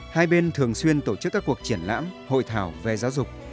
hai bên thường xuyên tổ chức các cuộc triển lãm hội thảo về giáo dục